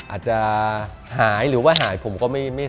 อาจจะหายหรือว่าหายผมก็ไม่